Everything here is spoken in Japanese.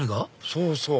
そうそう！